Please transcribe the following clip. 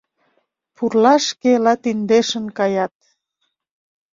Пурлашке латиндешын каят